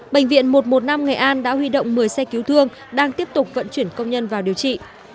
bệnh viện một trăm một mươi năm nghệ an đã huy động một mươi xe cứu thương đang tiếp tục vận chuyển công nhân vào điều trị